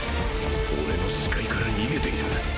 俺の視界から逃げている？